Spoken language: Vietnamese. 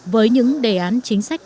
với những đề án chính sách này